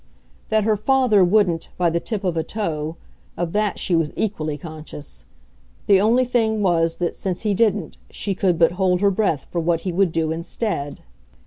That her father wouldn't, by the tip of a toe of that she was equally conscious: the only thing was that, since he didn't, she could but hold her breath for what he would do instead.